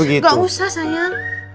gak usah sayang